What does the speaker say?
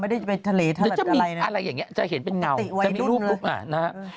ไม่ได้ไปทะเลทะเลอะไรนะจะมีอะไรอย่างเนี้ยจะเห็นเป็นเงาจะมีรูปมานะครับ